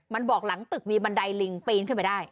มันบอกหลังตึกมีบันไดลิงปีนขึ้นไปได้